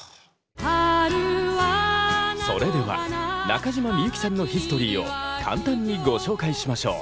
それでは中島みゆきさんのヒストリーを簡単にご紹介しましょう。